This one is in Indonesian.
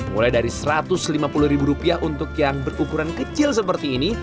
mulai dari rp satu ratus lima puluh ribu rupiah untuk yang berukuran kecil seperti ini